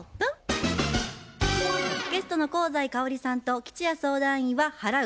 ゲストの香西かおりさんと吉弥相談員は「払う」